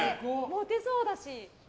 モテそうだし。